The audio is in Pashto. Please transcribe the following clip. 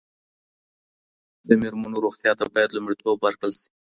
د میرمنو روغتیا ته باید لومړیتوب ورکړل شي.